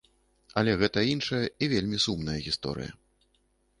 Але гэта іншая і вельмі сумная гісторыя.